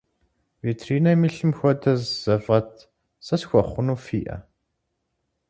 Витринэм илъым хуэдэ зэфӏэт сэ схуэхъуну фиӏэ?